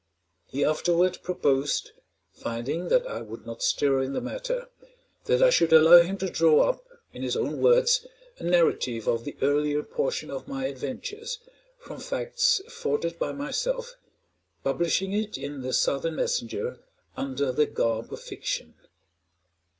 He afterward proposed (finding that I would not stir in the matter) that I should allow him to draw up, in his own words, a narrative of the earlier portion of my adventures, from facts afforded by myself, publishing it in the "Southern Messenger" _under the garb of fiction.